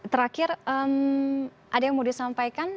terakhir ada yang mau disampaikan